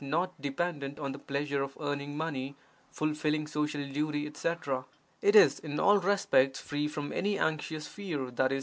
not dependent on the pleasure of earning money, fulfilling social duty, etc.); it is in all respects free from any anxious fear (i.e.